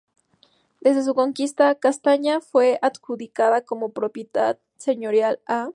Desde su conquista, Castalla fue adjudicada como propiedad señorial a.